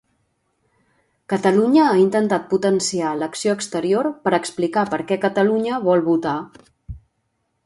Catalunya ha intentat potenciar l'acció exterior per a explicar per què Catalunya vol votar.